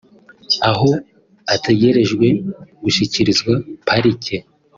aho ategerejwe gushyikirizwa parike